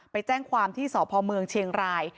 ไปแจ้งความที่สพเมืองเชียงราย